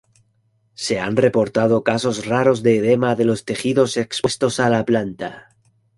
Se han reportado casos raros de edema de los tejidos expuestos a la planta.